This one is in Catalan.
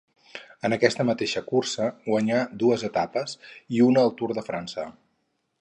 En aquesta mateixa cursa guanyà dues etapes i una al Tour de França.